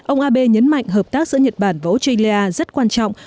ông abe nhấn mạnh hợp tác giữa nhật bản và australia rất quan trọng